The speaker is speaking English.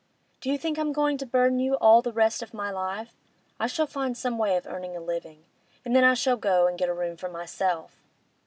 Do you think I'm going to burden you all the rest of my life? I shall find some way of earning a living, and then I shall go and get a room for myself.